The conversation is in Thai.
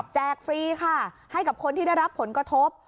ฟรีค่ะให้กับคนที่ได้รับผลกระทบ